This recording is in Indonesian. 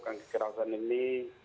dan kekerasan ini